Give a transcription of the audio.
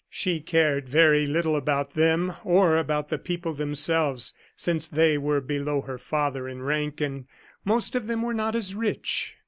She cared very little about them or about the people themselves, since they were below her father in rank, and most of them were not as rich.